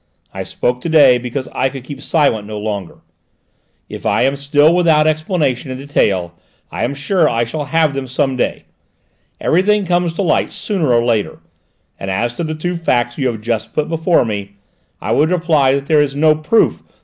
I spoke to day, because I could keep silent no longer; if I am still without some explanations in detail, I am sure I shall have them some day. Everything comes to light sooner or later. And as to the two facts you have just put before me, I would reply that there is no proof that M.